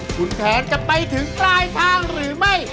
คุณแพนจะไปถึงปลายทางหรือไม่